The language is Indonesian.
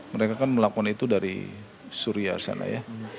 mereka kan melakukan itu dari suriah sana ya